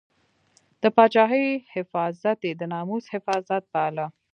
د پاچاهۍ حفاظت یې د ناموس حفاظت باله.